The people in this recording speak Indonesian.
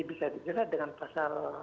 bisa dijelat dengan pasal